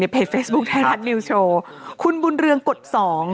เพจเฟซบุ๊คไทยรัฐนิวโชว์คุณบุญเรืองกฎสอง